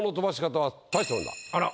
あら。